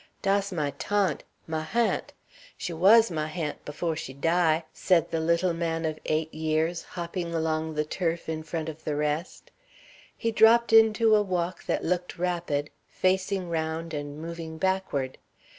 "Dass my tante my hant. She was my hant befo' she die'," said the little man of eight years, hopping along the turf in front of the rest. He dropped into a walk that looked rapid, facing round and moving backward.